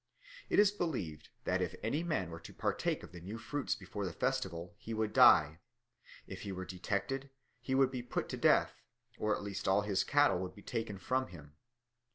It is believed that if any man were to partake of the new fruits before the festival, he would die; if he were detected, he would be put to death, or at least all his cattle would be taken from him.